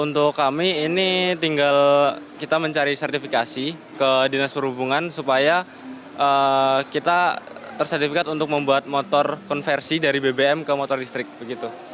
untuk kami ini tinggal kita mencari sertifikasi ke dinas perhubungan supaya kita tersertifikat untuk membuat motor konversi dari bbm ke motor listrik begitu